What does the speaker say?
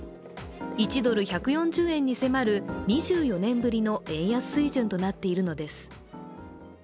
１ドル＝１４０円に迫る、２４年ぶりの円安水準となっているのです。